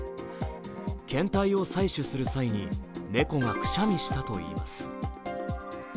検体を採取する際にネコがくしゃみしたといいます。